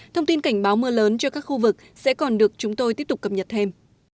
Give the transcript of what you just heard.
thông tin cảnh báo mưa lớn cho các khu vực sẽ còn được chúng tôi tiếp tục cập nhật thêm